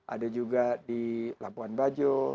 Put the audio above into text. ada juga di labuan bajo